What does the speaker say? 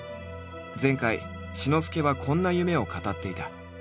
前回志の輔はこんな夢を語っていた。